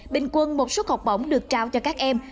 bình quân một suất học bổng được trao cho các em